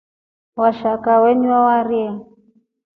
Washaka wenywa wari.